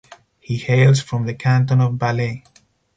He hails from the canton of Valais.